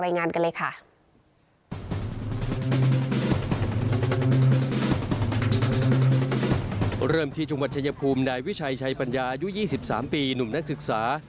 ในปัญญายุ้ย๒๓ปีหนุ่มนักศึกษา